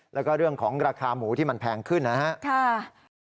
แล้วก็เรื่องของราคาหมูที่มันแพงขึ้นนะครับ